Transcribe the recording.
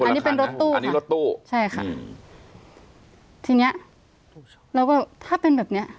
อันนี้เป็นรถตู้อันนี้รถตู้ใช่ค่ะอืมทีเนี้ยเราก็ถ้าเป็นแบบเนี้ย